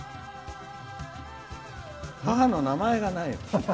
母の名前がない。